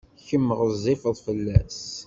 Kemm ɣezzifeḍ fell-as.